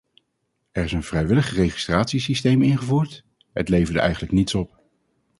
Er is een vrijwillig registratiesysteem ingevoerd; het leverde eigenlijk niets op.